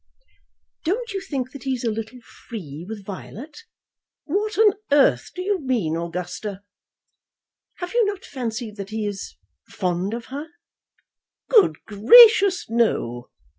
"Don't you think that he is a little free with Violet?" "What on earth do you mean, Augusta?" "Have you not fancied that he is fond of her?" "Good gracious, no!"